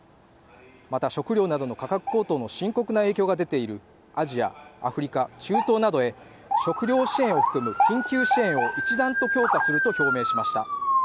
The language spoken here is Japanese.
また食糧などの価格高騰などの深刻な影響が出ているアジア、アフリカ、中東などへ食糧支援を含む緊急支援を一段と強化すると表明しました。